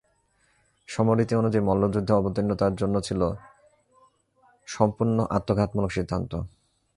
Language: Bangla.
সমর-রীতি অনুযায়ী মল্লযুদ্ধে অবতীর্ণ তার জন্য ছিল সম্পূর্ণ আত্মঘাতমূলক সিদ্ধান্ত।